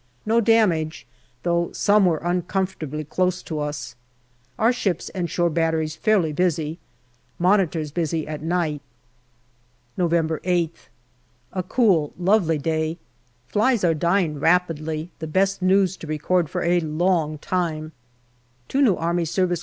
No damage, though some were uncomfortably close to us. Our ships and shore batteries fairly busy. Monitors busy at night. November Sth. A cool, lovely day. Flies are dying rapidly the best news to record for a long time. Two new A.S.C.